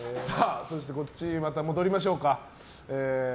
そしてこっちにまた戻りましょうか。